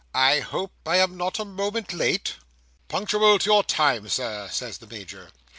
I hope I am not a moment late?" "Punctual to your time, Sir," says the Major.